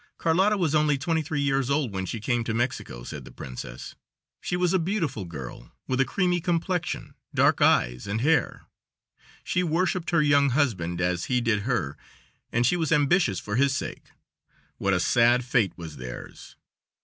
"Carlotta was only twenty three years old when she came to Mexico," said the princess. "She was a beautiful girl, with a creamy complexion, dark eyes and hair. She worshiped her young husband, as he did her, and she was ambitious for his sake. What a sad fate was theirs!"